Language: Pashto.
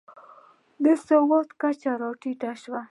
د سواد کچه راټیټه شوه.